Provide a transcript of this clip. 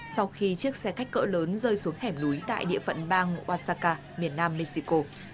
sau khi chiếc xe khách cỡ lớn rơi xuống hẻm núi tại địa phận bang oaxaca miền nam mexico